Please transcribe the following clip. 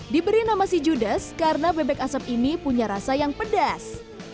diberi nama si judes karena bebek asap ini punya rasa yang pedas